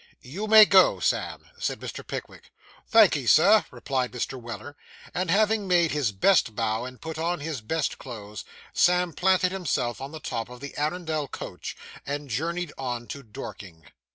'You may go, Sam,' said Mr. Pickwick. 'Thank'ee, Sir,' replied Mr. Weller; and having made his best bow, and put on his best clothes, Sam planted himself on the top of the Arundel coach, and journeyed on to Dorking.